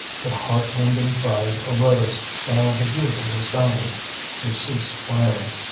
But heart rending cries arose while the bugle was sounding to cease firing.